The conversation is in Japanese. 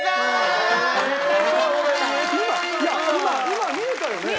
今今見えたよね？